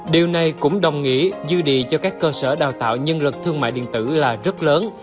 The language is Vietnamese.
điều này cũng đồng ý dư địa cho các cơ sở đào tạo nhân lực thương mại điện tử là rất lớn